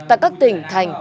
tại các tỉnh thành